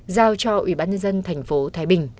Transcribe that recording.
giao cho ubnd thành phố thái bình